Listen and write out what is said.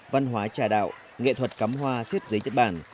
văn hóa trà đạo nghệ thuật cắm hoa xếp giấy nhật bản